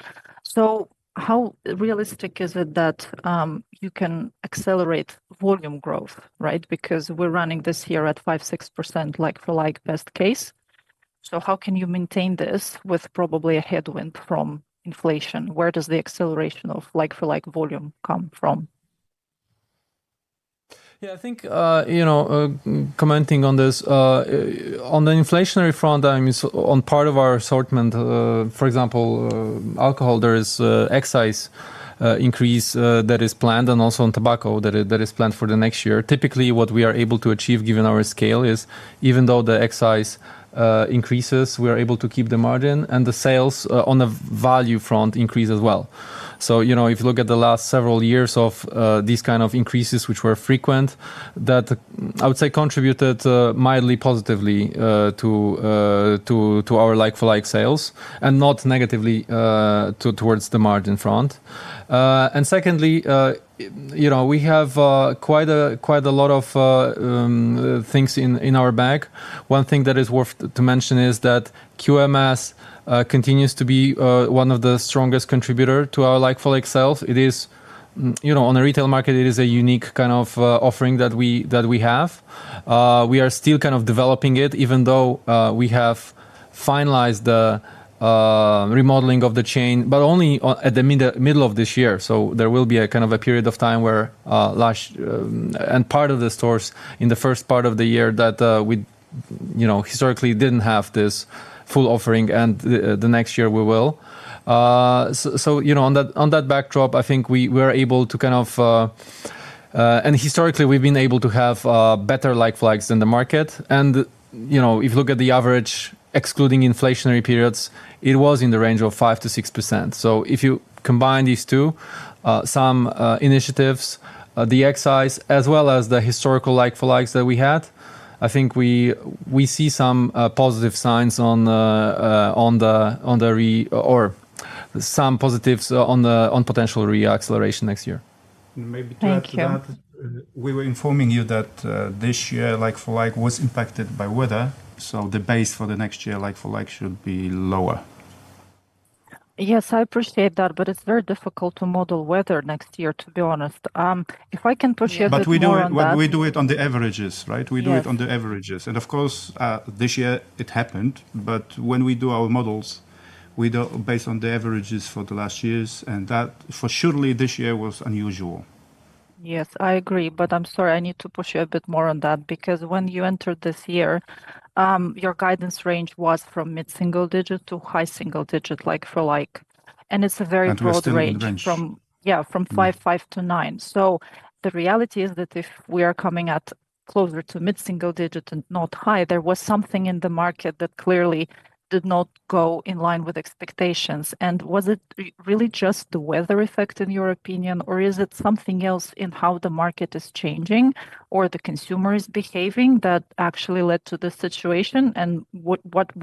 How realistic is it that you can accelerate volume growth? Right, because we're running this year at 5%-6% like-for-like best case. How can you maintain this with probably a headwind from inflation? Where does the acceleration of like-for-like volume come from? Yeah, I think, you know, commenting on this on the inflationary front, I mean on part of our assortment, for example alcohol, there is excise increase that is planned and also on tobacco that is planned for the next year. Typically, what we are able to achieve given our scale is even though the excise increases, we are able to keep the margin and the sales on the value front increase as well. If you look at the last several years of these kind of increases, which were frequent, that I would say contributed mildly positively to our like-for-like sales and not negatively towards the margin front. Secondly, we have quite a lot of things in our bag. One thing that is worth to mention is that QMS continues to be one of the strongest contributors to our like-for-like sales. It is, you know, on the retail market, it is a unique kind of offering that we have. We are still kind of developing it even though we have finalized the remodeling of the chain, but only at the middle of this year. There will be a period of time where last and part of the stores in the first part of the year that we, you know, historically didn't have this full offering and the next year we will. On that backdrop, I think we were able to, and historically we've been able to have better like-for-likes than the market. If you look at the average excluding inflationary periods, it was in the range of 5-6%. If you combine these two, some initiatives, the excise as well as the historical like-for-likes that we had, I think we see some positive signs on the potential reacceleration next year maybe. Thank you. We were informing you that this year like-for-like was impacted by weather, so the base for the next year like-for-like should be lower. Yes, I appreciate that, but it's very difficult to model weather next year, to be honest. If I can push you. We do it on the averages, right? We do it on the averages, and of course this year it happened. When we do our models, we do based on the averages for the last years, and for sure this year was unusual. Yes, I agree, but I'm sorry, I need to push you a bit more on that because when you entered this year your guidance range was from mid single digit to high single digit like-for-like. It's a very broad range, from 5%-9%. The reality is that if we are coming at closer to mid single digit and not high, there was something in the market that clearly did not go in line with expectations. Was it really just the weather effect in your opinion, or is it something else in how the market is changing or the consumer is behaving that actually led to this situation?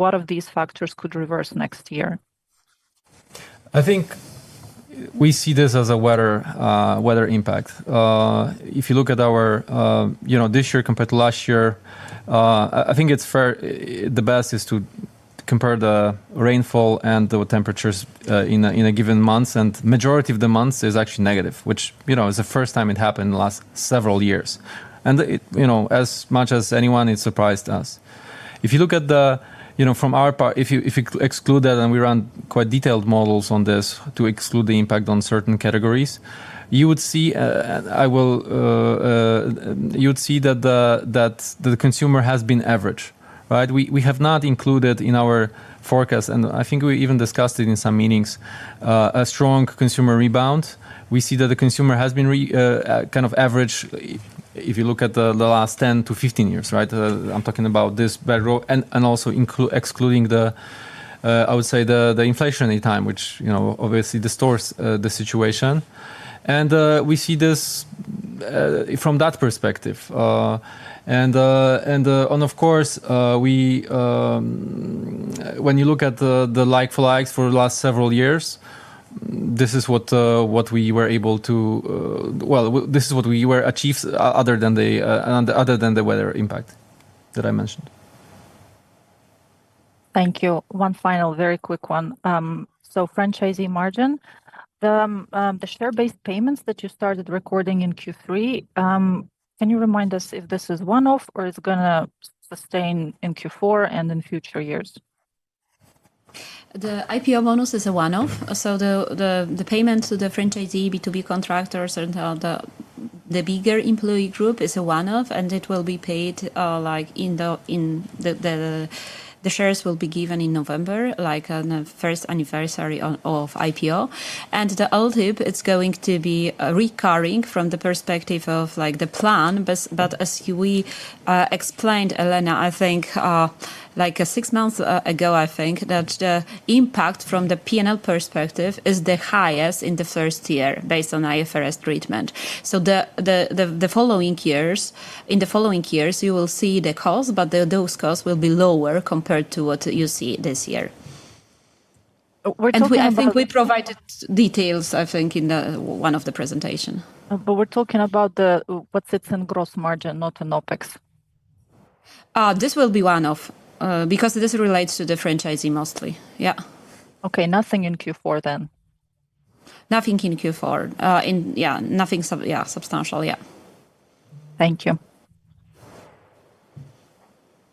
What of these factors could reverse next year? I think we see this as a weather impact. If you look at our this year compared to last year, I think it's fair. The best is to compare the rainfall and the temperatures in a given month, and majority of the months is actually negative, which, you know, is the first time it happened in the last several years. It surprised us. If you look at the, you know, from our part, if you exclude that and we run quite detailed models on this to exclude the impact on certain categories, you would see that the consumer has been average. Right. We have not included in our forecast, and I think we even discussed it in some meetings, a strong consumer rebound. We see that the consumer has been kind of average. If you look at the last 10-15 years. Right. I'm talking about this pattern, and also excluding the, I would say, the inflation anytime, which, you know, obviously distorts the situation, and we see this from that perspective. Of course, when you look at the like-for-like for the last several years, this is what we were able to achieve other than the weather impact that I mentioned. Thank you. One final very quick one. Franchisee margin, the share-based payments that you started recording in Q3, can you remind us if this is one-off or is it going to sustain in Q4 and in future years? The IPO bonus is a one-off. The payment to the franchisee B2B contractors and the bigger impact employee group is a one-off. It will be paid in the shares, which will be given in November, on the first anniversary of IPO. The old hip is going to be recurring from the perspective of the plan. As we explained, Elena, I think six months ago, the impact from the P&L perspective is the highest in the first year based on IFRS treatment. In the following years, you will see the costs, but those costs will be lower compared to what you see this year. I think we provided details in one of the presentations. We're talking about what sits in gross margin, not in OpEx. This will be one of, because this relates to the franchisee mostly. Yeah. Okay. Nothing in Q4 then? Nothing in Q4. Nothing substantial. Thank you.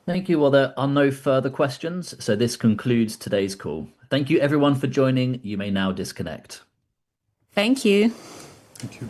Thank you. There are no further questions. This concludes today's call. Thank you everyone for joining. You may now disconnect. Thank you. Thank you.